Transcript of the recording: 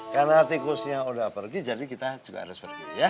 karena tikusnya udah pergi jadi kita juga harus pergi ya